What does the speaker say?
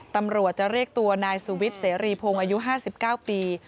ตำรวจจะเรียกตัวนายสุวิทย์เสรีพงศ์อายุ๕๙ปี